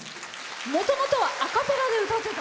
もともとはアカペラで歌ってた？